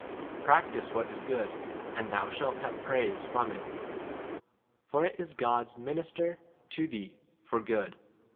practise [what is] good, and thou 4 shalt have praise from it ; for it is God's minister to thee for good.